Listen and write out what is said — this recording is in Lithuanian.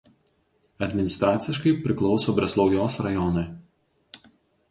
Administraciškai priklauso Breslaujos rajonui.